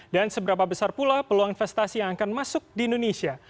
dan seberapa besar pula peluang investasi yang akan masuk di indonesia